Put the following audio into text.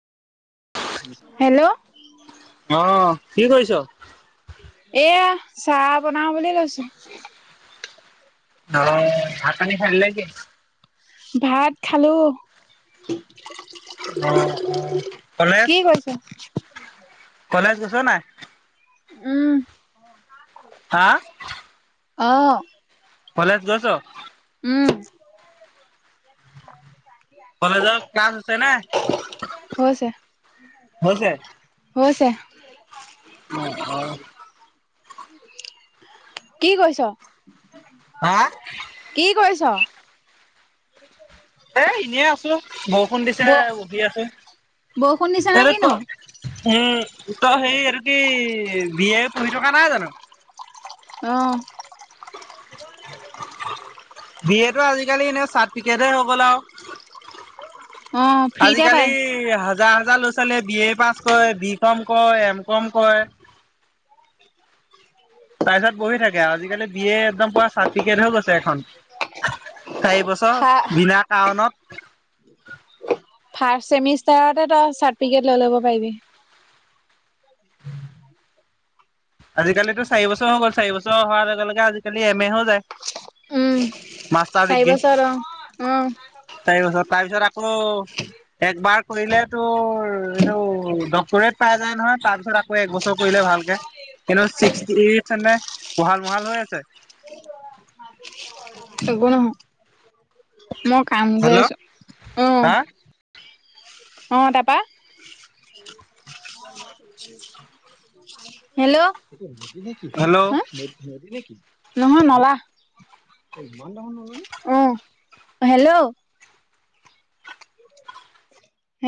Hello. অ', কি কৰিছ? এয়া চাহ বনাও বুলি লৈছো। অ', ভাত পানী খালি নে কি? ভাত খালো। অ', অ', কলেজ? [unintelligible] কলেজ গৈছ নে নাই? উম। হা? অ'। কলেজ গৈছ? উম। [inaudible] কলেজৰ ক্লাছ হৈছে নে? হৈছে হৈছে? হৈছে। অ', অ'। কি কৰিছ? হা? কি কৰিছ? [inaudible] এ এনেৱে আছো, বৰষুণ দিছে ব বহি আছো বৰষুণ দিছে নে কিনো [unintelligible] উম, তই হেৰি এইটো কি বি এ পঢ়ি থকা নাই জানো? অ'। বি এ টো আজিকালি এনে চাৰ্টফিকেট হে হৈ গ'ল আৰু। অ ফ্ৰীতে আজিকালি পাই হাজাৰ হাজাৰ ল'ৰা ছোৱালীয়ে বি এ পাছ কৰে, বি কম কৰে, এম কম কৰে। তাৰ পিছত বহি থাকে, আজিকালি বি এ একদম পোৰা চাৰ্টফিকেট হৈ গৈছে এখন। চাৰি ফা বছৰ বিনা কাৰণত ফাৰ্ষ্ট চেমিষ্টাৰতে তই চাৰ্টফিকেট লৈ ল'ব পাৰিবি। [inaudible] আজিকালিতো চাৰি বছৰ হৈ গ'ল, চাৰিবছৰ হোৱাৰ লগে লগে আজিকালি এম এ হৈ যায়। উম মাষ্টাৰ চাৰি ডিগ্ৰী বছৰত অ অ চাৰি বছৰ, তাৰপিছত আকৌ একবাৰ কৰিলেতো এইটো ডক্টৰেট পাই যায় নহয়, তাৰপিছত আকৌ একবছৰ কৰিলে ভালকে, কিন্তু ছিক্সে [unintelligible] মহাল মহাল হৈ আছে। চাগো [unintelligible] নহয় মই কাম গৈ হেল্ল' আছো। আহ হা অ' তাৰপৰা? হেল্ল'? হেল্ল' নহয় নলা। অ' হেল্ল'?